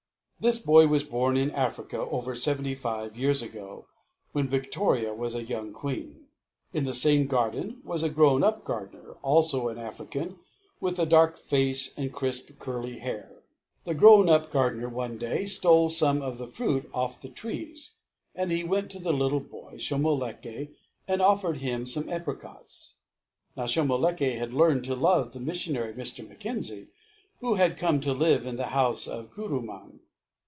This boy was born in Africa over seventy five years ago, when Victoria was a young queen. In the same garden was a grown up gardener, also an African, with a dark face and crisp, curly hair. The grown up gardener one day stole some of the fruit off the trees, and he went to the little boy, Shomolekae, and offered him some apricots. Now, Shomolekae had learned to love the missionary, Mr. Mackenzie, who had come to live in the house at Kuruman.